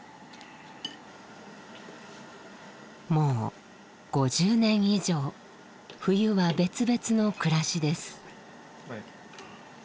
もう５０年以上冬は別々の暮らしです。